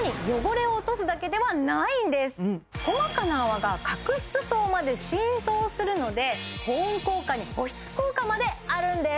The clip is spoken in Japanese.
これ楽さらに細かな泡が角質層まで浸透するので保温効果に保湿効果まであるんです